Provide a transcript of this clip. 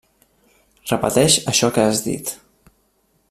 Repeteix això que has dit.